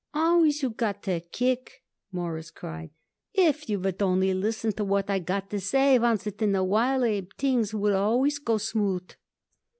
"Always you got to kick," Morris cried. "If you would only listen to what I got to say oncet in a while, Abe, things would always go smooth."